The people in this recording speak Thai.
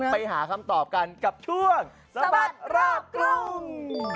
ไปหาคำตอบกันกับช่วงสะบัดรอบกรุง